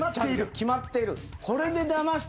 決まっている。